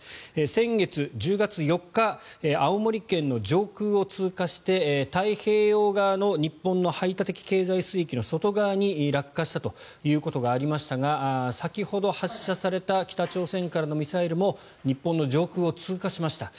先月１０月４日青森県の上空を通過して太平洋側の日本の排他的経済水域の外側に落下したということがありましたが先ほど、発射された北朝鮮からのミサイルも日本の上空を通過しました。